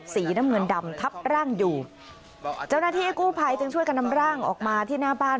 สีน้ำเงินดำทับร่างอยู่เจ้าหน้าที่กู้ภัยจึงช่วยกันนำร่างออกมาที่หน้าบ้าน